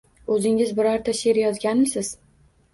O’zingiz bironta she’r yozganmisiz?